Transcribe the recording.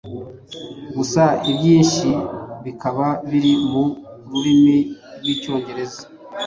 gusa ibyinshi bikaba biri mu rurimi rw’icyongereza